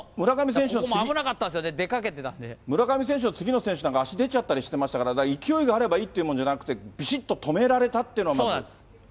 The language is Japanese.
ここも危なかったんですよね、村上選手の次の選手なんか、足出ちゃったりしてましたから、勢いがあればいいってもんじゃなくて、びしっと止められたっていうのが。